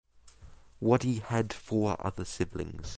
Waddy had four other siblings.